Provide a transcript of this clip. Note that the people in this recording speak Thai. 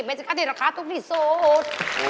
ไม่จะกละเขตรเท่าที่สุด